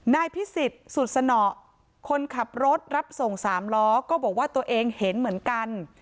นายพิสิทธิ์สุดสนอคนขับรถรับส่งสามล้อก็บอกว่าตัวเองเห็นเหมือนกัน